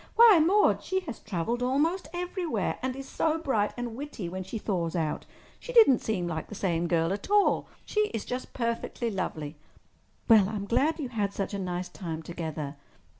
Why, Maude, she has travelled almost everywhere—and is so bright and witty when she thaws out. She didn't seem like the same girl at all. She is just perfectly lovely!" "Well, I'm glad you had such a nice time together.